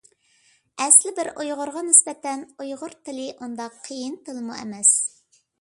ئەسلى بىر ئۇيغۇرغا نىسبەتەن، ئۇيغۇر تىلى ئۇنداق قىيىن تىلمۇ ئەمەس.